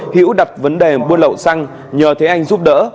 hữu đặt vấn đề buôn lậu xăng nhờ thê anh giúp đỡ